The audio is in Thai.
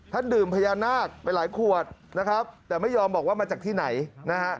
ดื่มพญานาคไปหลายขวดนะครับแต่ไม่ยอมบอกว่ามาจากที่ไหนนะฮะ